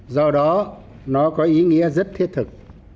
do đó nó có ý nghĩa rất thiết thực